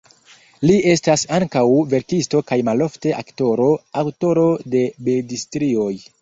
Li estas ankaŭ verkisto kaj malofte aktoro, aŭtoro de bildstrioj.